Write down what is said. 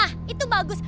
nah itu bagus